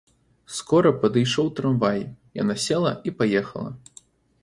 Скора падышоў трамвай, яна села і паехала.